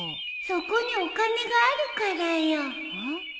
そこにお金があるからよ